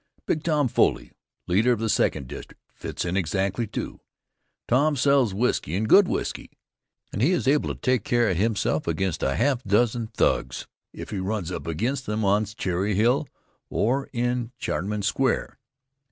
Big Tom Foley, leader of the Second District, fits in exactly, too. Tom sells whisky, and good whisky, and he is able to take care of himself against a half dozen thugs if he runs up against them on Cherry Hill or in Chatharn Square.